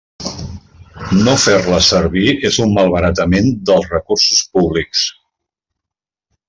No fer-les servir és un malbaratament dels recursos públics.